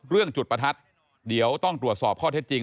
จุดประทัดเดี๋ยวต้องตรวจสอบข้อเท็จจริง